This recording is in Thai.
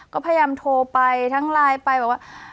ก็พยายามโทรไปทั้งไลน์ไปแบบว่า